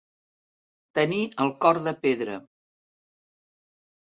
Tenir el cor de pedra.